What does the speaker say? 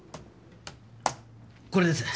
これです。